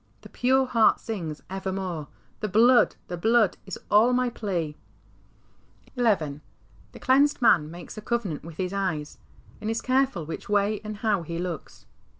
The pure heart sings evermore, " The Blood, the Blood, is all my plea." XI. The clea7ised man makes a covenant with his eyes, and is careful which way a77d how he looks.